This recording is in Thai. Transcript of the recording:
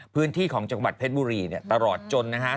พื้นที่ของจังหวัดเพชรบุรีตลอดจนนะฮะ